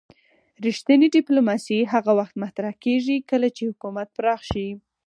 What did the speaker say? رښتینې ډیپلوماسي هغه وخت مطرح کیږي کله چې حکومت پراخ شي